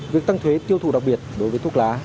việc tăng thuế tiêu thụ đặc biệt đối với thuốc lá